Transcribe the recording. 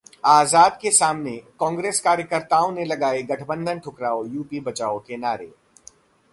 आजाद के सामने कांग्रेस कार्यकर्ताओं ने लगाये 'गठबंधन ठुकराओ, यूपी बचाओ' के नारे